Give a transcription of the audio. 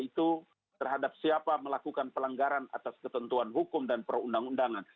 itu terhadap siapa melakukan pelanggaran atas ketentuan hukum dan perundang undangan